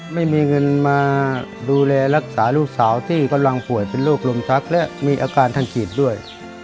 ไม่มีเงินมาดูแลรักษาลูกสาวที่กำลังป่วยเป็นโรคลมชักและมีอาการทางจิตด้วย